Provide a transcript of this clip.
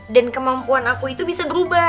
dan kemampuan aku itu bisa berubah